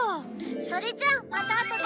「それじゃあまたあとで」